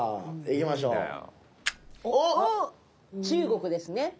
中国ですね。